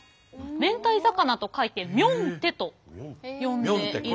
明太魚と書いてミョンテと呼んでいるんです。